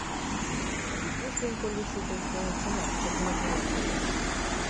Витюш ден Колюш ӱдырышт дене чынак кок мужырла койыт.